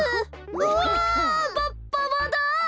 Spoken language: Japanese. うわバババだ！